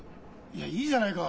いやいいじゃないか。